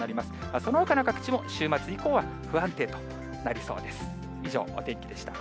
そのほかの各地も週末以降は不安定となりそうです。